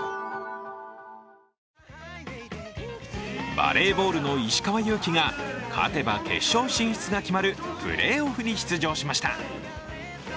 バレーボールの石川祐希が勝てば決勝進出が決まるプレーオフに出場しました。